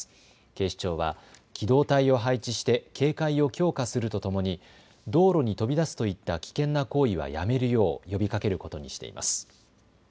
警視庁は機動隊を配置して警戒を強化するとともに道路に飛び出すといった危険な行為はやめるよう呼びかけることにしています。